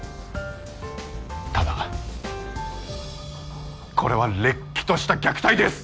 ただこれはれっきとした虐待です！